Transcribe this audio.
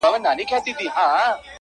رنګ په رنګ به یې راوړله دلیلونه؛